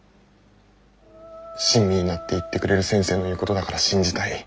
親身になって言ってくれる先生の言うことだから信じたい。